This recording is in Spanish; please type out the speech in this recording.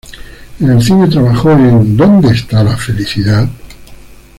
En cine trabajó en "Donde Está la Felicidad?